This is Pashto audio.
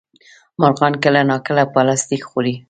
مرغان کله ناکله پلاستيک خوري.